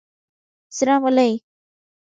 🫜 سره مولي